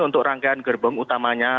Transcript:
untuk rangkaian gerbong utamanya